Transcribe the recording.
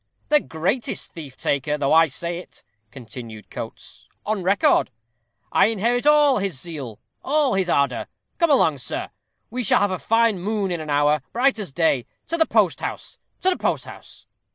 "The greatest thief taker, though I say it," continued Coates, "on record. I inherit all his zeal all his ardor. Come along, sir. We shall have a fine moon in an hour bright as day. To the post house! to the post house!"